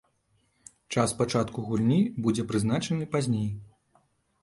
Час пачатку гульні будзе прызначаны пазней.